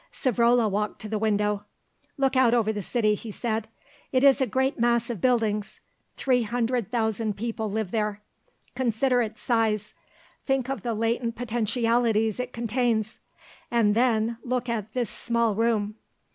Savrola walked to the window. "Look out over the city," he said. "It is a great mass of buildings; three hundred thousand people live there. Consider its size; think of the latent potentialities it contains, and then look at this small room.